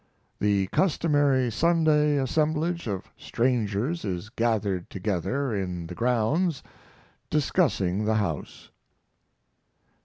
The customary Sunday assemblage of strangers is gathered together in the grounds discussing the house.